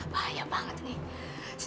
terima kasih ma